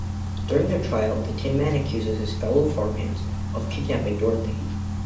During their trial, the Tin Man accuses his fellow farmhands of kidnapping Dorothy.